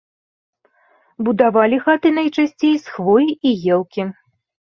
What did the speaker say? Будавалі хаты найчасцей з хвоі і елкі.